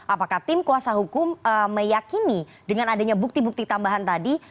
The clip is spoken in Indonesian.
apakah tim kuasa hukum meyakini dengan adanya bukti bukti tambahan tadi